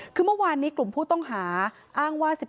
คือเมื่อวานนี้กลุ่มผู้ต้องหาอ้างว่า